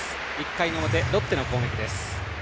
１回の表、ロッテの攻撃です。